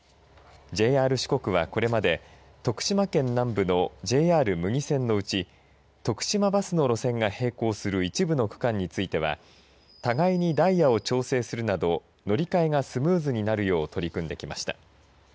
ＪＲ四国は、これまで徳島県南部のＪＲ牟岐線のうち徳島バスの路線が並行する一部の区間については互いにダイヤを調整するなど乗り換えがスムーズになるよう取り組んできました。